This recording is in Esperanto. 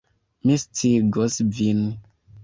Mi sciigos vin.